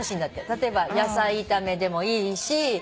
例えば野菜炒めでもいいし。